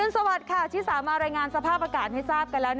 สวัสดีค่ะชิสามารายงานสภาพอากาศให้ทราบกันแล้ว